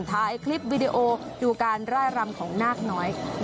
ทายคลิปดูการไล่ลำของนาฏนอยค์